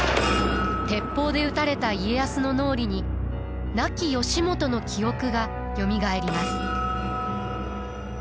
鉄砲で撃たれた家康の脳裏に亡き義元の記憶がよみがえります。